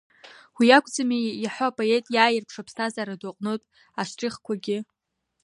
Уи акәӡами иаҳәо апоет иааирԥшуа аԥсҭазаара ду аҟнытә аштрихқәагьы.